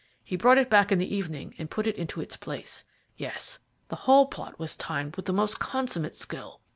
He brought it back in the evening and put it into its place. Yes, the whole plot was timed with the most consummate skill.